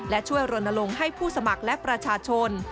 และช่วยรณรงค์ให้ผู้สมัครและประชาชน